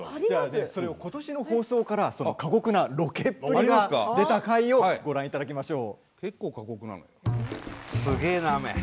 ことしの放送から過酷なロケっぷりが出た回をご覧いただきましょう。